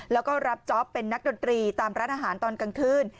แล้วก็รับจ๊อปเป็นนักดนตรีตามร้านอาหารตอนกลางคืน